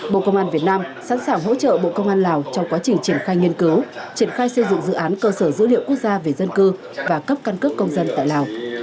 bộ công an việt nam sẵn sàng hỗ trợ bộ công an lào trong quá trình triển khai nghiên cứu triển khai xây dựng dự án cơ sở dữ liệu quốc gia về dân cư và cấp căn cước công dân tại lào